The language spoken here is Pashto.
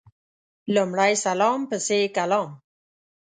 لمړی سلام پسي کلام